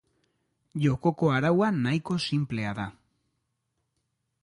Jokoko araua nahiko sinplea da.